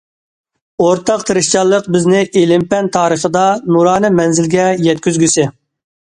ئورتاق تىرىشچانلىق بىزنى ئىلىم- پەن تارىخىدا نۇرانە مەنزىلگە يەتكۈزگۈسى.